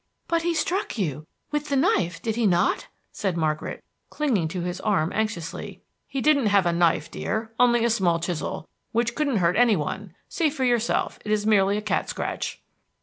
"But he struck you ... with the knife, did he not?" said Margaret, clinging to his arm anxiously. "He didn't have a knife, dear; only a small chisel, which couldn't hurt any one. See for yourself; it is merely a cat scratch."